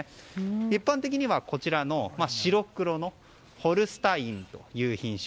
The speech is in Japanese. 一般的には白黒のホルスタインという品種。